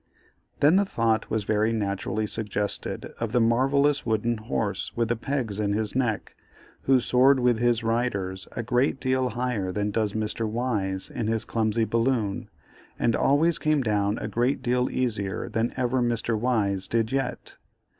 Then the thought was very naturally suggested of the marvellous wooden horse with the pegs in his neck, who soared with his riders a great deal higher than does Mr. Wise in his clumsy balloon, and always came down a great deal easier than ever Mr. Wise did yet.